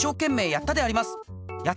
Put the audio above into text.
やったであります。